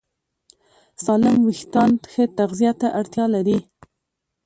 سالم وېښتيان ښه تغذیه ته اړتیا لري.